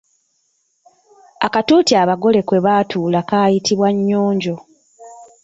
Akatuuti abagole kwe batuula kayitibwa nnyonjo.